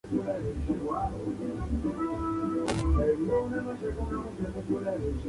Tomó parte en la comisión que escribió la Declaración Universal de los Derechos Humanos.